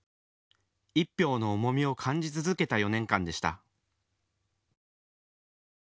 一票の重みを感じ続けた４年間でした。